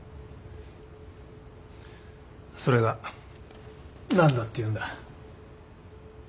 それが何だっていうんだ？